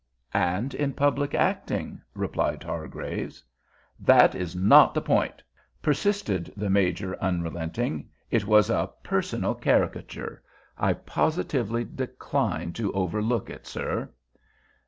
"And in public acting," replied Hargraves. "That is not the point," persisted the Major, unrelenting. "It was a personal caricature. I positively decline to overlook it, sir."